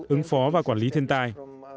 ứng phó và quản lý thiên tài